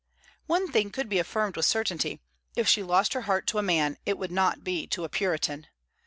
One thing could be affirmed with certainty; if she lost her heart to a man, it would not be to a Puritan.